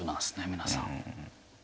皆さん。